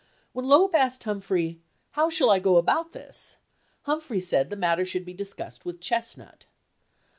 When Loeb asked Humphrey, "How shall I go about this," Humphrey said the matter should be discussed with Chestnut.